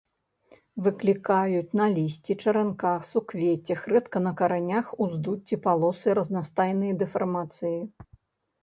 Выклікаюць на лісці, чаранках, суквеццях, рэдка на каранях уздуцці, палосы, разнастайныя дэфармацыі.